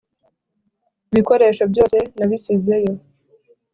Ibikoresho byose nabisizeyo